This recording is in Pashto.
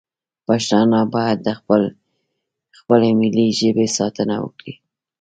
پښتانه باید د خپلې ملي ژبې ساتنه وکړي